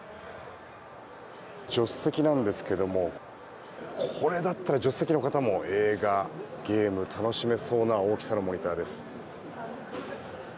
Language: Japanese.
助手席なんですけどもこれだったら助手席の方も映画、ゲームが楽しめそうな大きさのモニターです。